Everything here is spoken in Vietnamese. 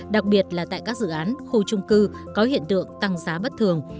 đặc biệt là tại các dự án khu trung cư có hiện tượng tăng giá bất thường